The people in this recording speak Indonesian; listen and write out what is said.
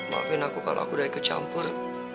maafin aku kalau aku udah ikut campur